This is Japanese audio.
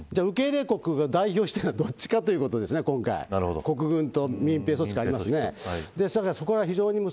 受け入れ国が代表してるのはどっちかってことですね、今回国軍と民兵組織がありますね。